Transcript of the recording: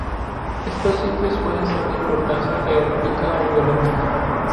Estos sitios pueden ser de importancia geológica o biológica.